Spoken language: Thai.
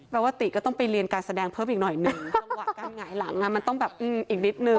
ว่าติก็ต้องไปเรียนการแสดงเพิ่มอีกหน่อยหนึ่งจังหวะการหงายหลังมันต้องแบบอีกนิดนึง